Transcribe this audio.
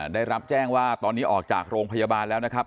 ได้รับแจ้งว่าตอนนี้ออกจากโรงพยาบาลแล้วนะครับ